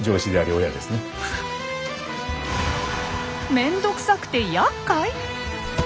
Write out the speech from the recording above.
めんどくさくてやっかい？